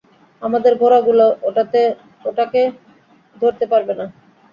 আমাদের ঘোড়াগুলো ওটাকে ধরতে পারবে না।